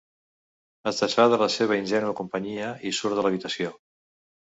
Es desfà de la seva ingènua companyia i surt de l'habitació.